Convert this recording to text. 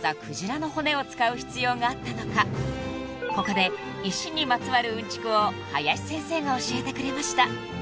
［ここで石にまつわるうんちくを林先生が教えてくれました］